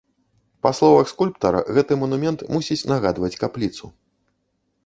Па словах скульптара, гэты манумент мусіць нагадваць капліцу.